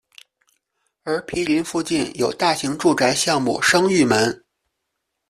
而毗邻附近有大型住宅项目升御门。